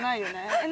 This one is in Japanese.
えっ！